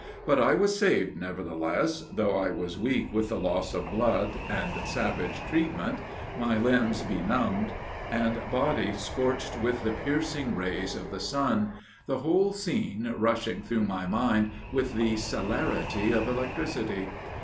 But I was saved, nevertheless, though I was weak with the loss of blood, and savage treatment, my limbs benumbed, and body scorched with the piercing rays of the sun, the whole scene rushing through my mind with the celerity of electricity!